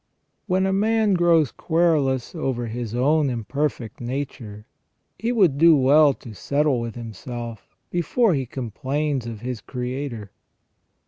When a man grows querulous over his own imperfect nature, he would do well to settle with himself, before he complains of his Creator.